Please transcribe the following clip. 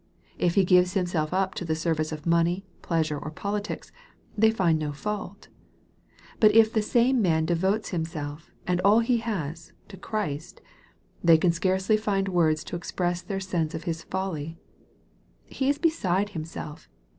If he gives himself up to the service of money, pleasure, or politics, they find no fault. But if the same man devotes himself, and all he has, to Christ, they can scarcely find words to express their sense of his folly. " He is beside himself."